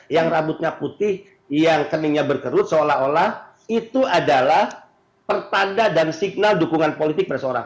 yang rambutnya putih yang keningnya berkerut seolah olah itu adalah pertanda dan signal dukungan politik seseorang